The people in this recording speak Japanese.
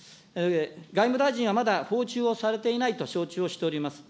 外務大臣はまだ、訪中をされていないと承知をしております。